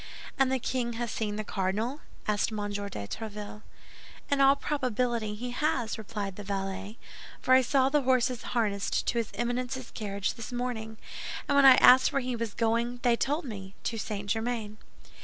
"And the king has seen the cardinal?" asked M. de Tréville. "In all probability he has," replied the valet, "for I saw the horses harnessed to his Eminence's carriage this morning, and when I asked where he was going, they told me, 'To St. Germain.